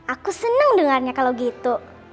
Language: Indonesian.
aku senang dengarnya kalau gitu